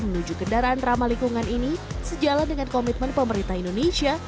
menuju kendaraan ramah lingkungan ini sejalan dengan komitmen pemerintah indonesia